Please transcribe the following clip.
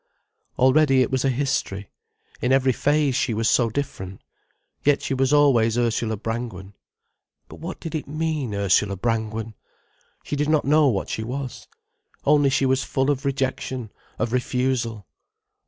Already it was a history. In every phase she was so different. Yet she was always Ursula Brangwen. But what did it mean, Ursula Brangwen? She did not know what she was. Only she was full of rejection, of refusal.